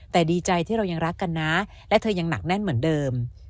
แต่ดีใจที่เรายังรักกันนะและเธอยังหนักแน่นเหมือนเดิม